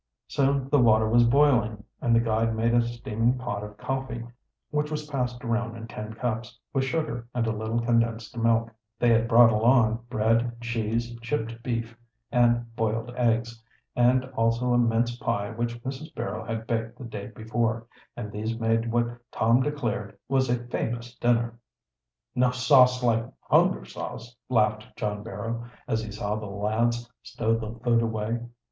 Soon the water was boiling and the guide made a steaming pot of coffee, which was passed around in tin cups, with sugar and a little condensed milk. They had brought along bread, cheese, chipped beef, and boiled eggs, and also a mince pie which Mrs. Barrow had baked the day before, and these made what Tom declared was a famous dinner. "No sauce like hunger sauce," laughed John Barrow, as he saw the lads stow the food away.